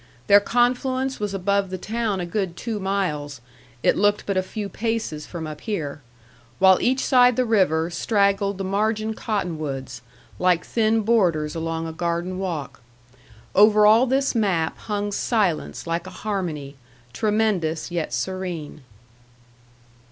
Their confluence was above the town a good two miles; it looked but a few paces from up here, while each side the river straggled the margin cottonwoods, like thin borders along a garden walk. Over all this map hung silence like a harmony, tremendous yet serene.